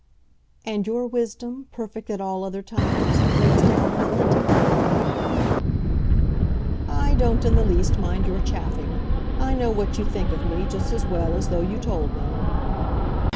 "And your wisdom, perfect at all other times, breaks down in the hunting field?" "I don't in the least mind your chaffing. I know what you think of me just as well as though you told me."